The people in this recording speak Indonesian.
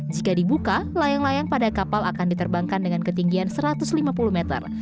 jika dibuka layang layang pada kapal akan diterbangkan dengan ketinggian satu ratus lima puluh meter